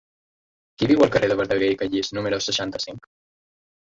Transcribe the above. Qui viu al carrer de Verdaguer i Callís número seixanta-cinc?